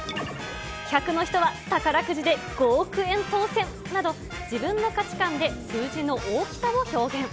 １００の人は宝くじで５億円当せんなど、自分の価値観で数字の大きさを表現。